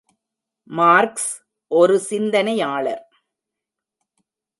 Marks ஒரு சிந்தனையாளர்.